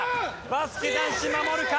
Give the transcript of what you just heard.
バスケ男子守るか？